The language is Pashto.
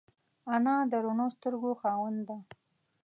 انا د روڼو سترګو خاوند ده